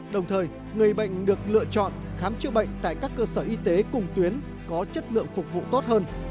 đồng thời người bệnh được lựa chọn khám chữa bệnh tại các cơ sở y tế cùng tuyến có chất lượng phục vụ tốt hơn